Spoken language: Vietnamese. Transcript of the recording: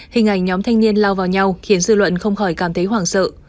hình ảnh nhóm thanh niên lao vào nhau khiến dư luận không khỏi cảm thấy hoảng sợ